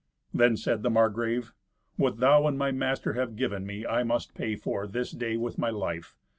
Then said the Margrave, "What thou and my master have given me I must pay for, this day, with my life.